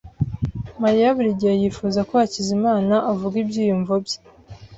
Mariya buri gihe yifuza ko Hakizimana avuga ibyiyumvo bye.